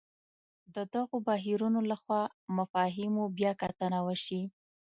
د دغو بهیرونو له خوا مفاهیمو بیا کتنه وشي.